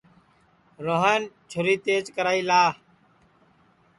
روہن چُھری تیج کرائی لا